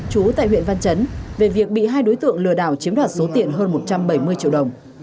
chú tại huyện văn chấn về việc bị hai đối tượng lừa đảo chiếm đoạt số tiền hơn một trăm bảy mươi triệu đồng